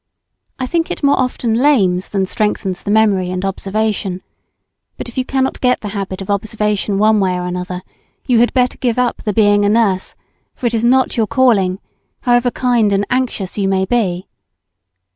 I think it more often lames than strengthens the memory and observation. But if you cannot get the habit of observation one way or other, you had better give up the being a nurse, for it is not your calling, however kind and anxious you may be.